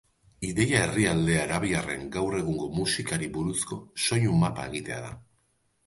Ideia herrialde arabiarren gaur egungo musikari buruzko soinu-mapa bat egitea da.